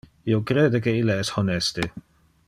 Io crede que ille es honeste.